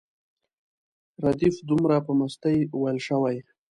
ردیف دومره په مستۍ ویل شوی.